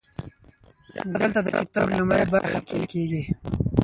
دلته د کتاب لومړۍ برخه پیل کیږي.